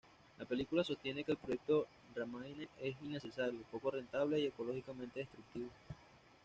La película sostiene que el proyecto Romaine es innecesario, poco rentable y ecológicamente destructivo.